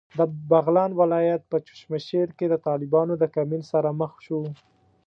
د بغلان ولایت په چشمشېر کې د طالبانو د کمین سره مخ شوو.